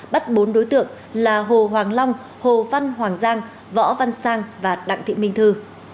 bắt bốn đối tượng là hồ hoàng long hồ văn hoàng giang võ văn sang và đặng thị minh thư